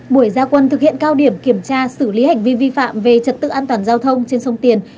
buổi gia quân thực hiện cao điểm kiểm tra xử lý hành vi vi phạm về trật tự an toàn giao thông trên sông tiền